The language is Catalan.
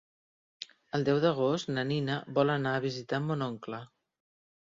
El deu d'agost na Nina vol anar a visitar mon oncle.